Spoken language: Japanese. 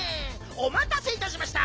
おまたせいたしました！